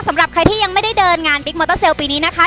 สำหรับใครที่ยังไม่ได้เดินงานบิ๊กมอเตอร์เซลลปีนี้นะคะ